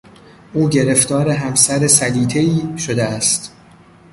او گرفتار همسر سلیطهای شده است.